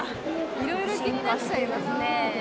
いろいろ気になっちゃいますね。